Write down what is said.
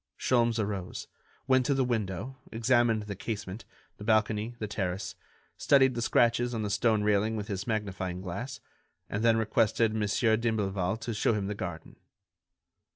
Sholmes arose, went to the window, examined the casement, the balcony, the terrace, studied the scratches on the stone railing with his magnifying glass, and then requested Mon. d'Imblevalle to show him the garden.